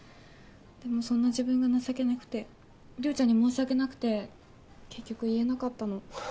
でもそんな自分が情けなくて涼ちゃんに申し訳なくて結局言えなかったの。